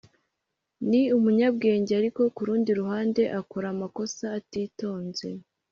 ni umunyabwenge, ariko kurundi ruhande akora amakosa atitonze